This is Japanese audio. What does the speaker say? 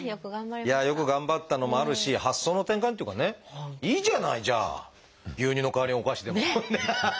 よく頑張ったのもあるし発想の転換っていうかねいいじゃないじゃあ牛乳の代わりにお菓子でもハハハ！